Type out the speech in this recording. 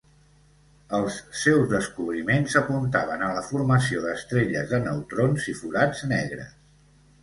Els seus descobriments apuntaven a la formació d'estrelles de neutrons i forats negres.